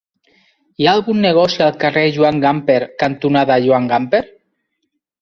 Hi ha algun negoci al carrer Joan Gamper cantonada Joan Gamper?